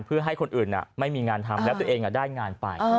เพื่อให้คนอื่นไม่มีงานทำแล้วตัวเองได้งานไป